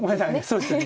そうですよね。